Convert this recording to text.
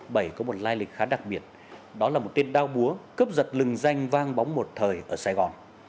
bảy có một lai lịch khá đặc biệt đó là một tên đao búa cướp giật lừng danh vang bóng một thời ở sài gòn